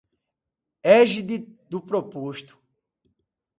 égide do preposto